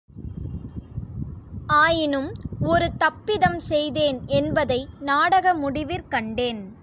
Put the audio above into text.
ஆயினும், ஒரு தப்பிதம் செய்தேன் என்பதை நாடக முடிவிற் கண்டேன்.